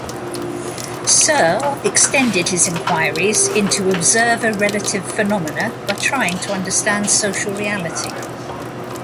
Searle extended his inquiries into observer-relative phenomena by trying to understand social reality.